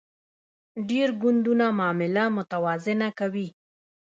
ډیر ګوندونه معامله متوازنه کوي